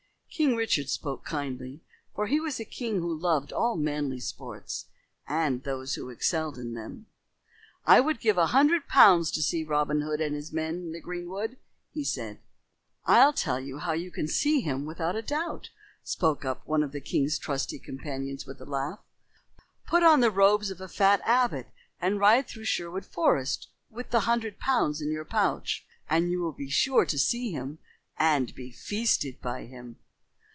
King Richard spoke kindly, for he was a king who loved all manly sports and those who excelled in them. "I would give a hundred pounds to see Robin Hood and his men in the greenwood," he said. "I'll tell you how you can see him without a doubt," spoke up one of the king's trusty companions with a laugh. "Put on the robes of a fat abbot and ride through Sherwood Forest with the hundred pounds in your pouch, and you will be sure to see him and be feasted by him."